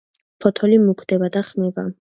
ფოთოლი მუქდება და ხმება.